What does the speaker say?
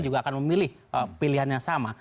juga akan memilih pilihan yang sama